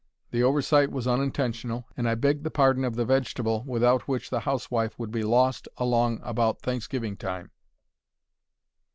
The oversight was unintentional, and I beg the pardon of the vegetable without which the housewife would be "lost" along about Thanksgiving time.